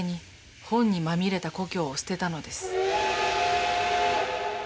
本にまみれた故郷を捨てたのです。